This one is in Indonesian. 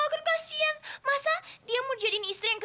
kan kasian masa dia mau jadi istri yang ke sembilan